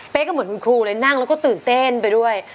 ก็เหมือนคุณครูเลยนั่งแล้วก็ตื่นเต้นไปด้วย